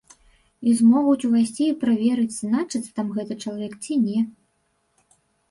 І змогуць увайсці і праверыць, значыцца там гэты чалавек ці не.